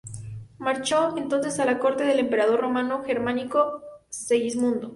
Marchó entonces a la corte del emperador romano germánico, Segismundo.